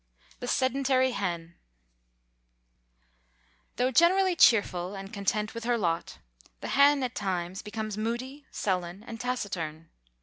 The Sedentary Hen. Though generally cheerful and content with her lot, the hen at times becomes moody, sullen and taciturn.